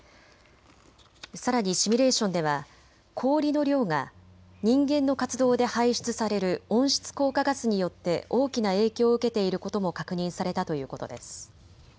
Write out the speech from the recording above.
さらにシミュレーションでは氷の量が人間の活動で排出される温室効果ガスによって大きな影響を受けていることも確認されたということです。